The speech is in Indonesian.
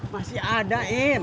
masih ada im